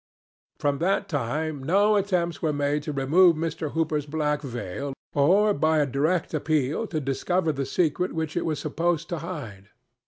From that time no attempts were made to remove Mr. Hooper's black veil or by a direct appeal to discover the secret which it was supposed to hide.